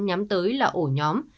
nhắm tới là ổ nhóm